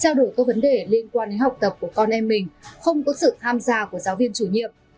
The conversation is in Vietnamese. trao đổi các vấn đề liên quan đến học tập của con em mình không có sự tham gia của giáo viên chủ nhiệm